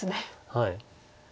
はい。